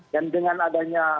dan dengan adanya